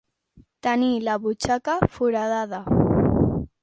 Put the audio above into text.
Tenir la butxaca foradada.